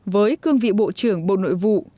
với cương vị bộ trưởng bộ nội vụ